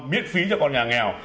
miễn phí cho con nhà nghèo